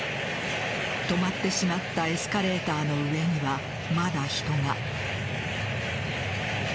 止まってしまったエスカレーターの上にはまだ人が。